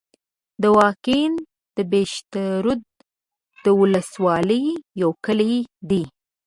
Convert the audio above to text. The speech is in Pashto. دوکین د پشترود د ولسوالۍ یو کلی دی